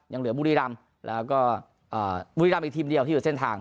ยังเหลือบุรีรำแล้วก็บุรีรำอีกทีมเดียวที่อยู่เส้นทาง